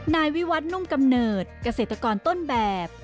นายวิวัตนุ่มกำเนิดเกษตรกรต้นแบบ